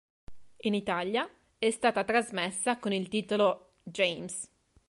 In Italia è stata trasmessa con il titolo "James".